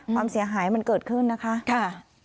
ความเสียหายมันเกิดขึ้นนะคะ